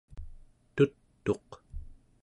tut'uq